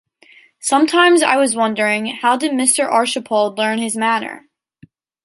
Sometimes I was wondering how did Mr Arshipald learn his manner.